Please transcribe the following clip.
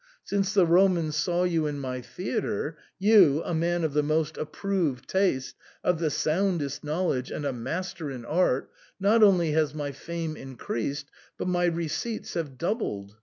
Since the Romans saw you in my theatre — you, a man of the most approved taste, of the soundest knowledge, and a master in art, not only has my fame increased, but my receipts have doubled.